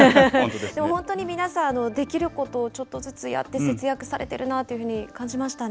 でも本当に皆さん、できることをちょっとずつやって、節約されてるなというふうに感じましたね。